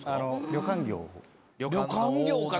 旅館業か。